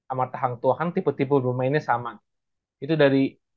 amartahang tuhan tipe tipe bermainnya sama itu dari